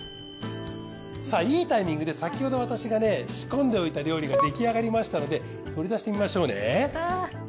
さぁいいタイミングで先ほど私がね仕込んでおいた料理が出来上がりましたので取り出してみましょうね。